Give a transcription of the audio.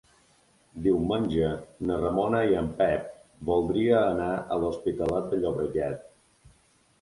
Diumenge na Ramona i en Pep voldria anar a l'Hospitalet de Llobregat.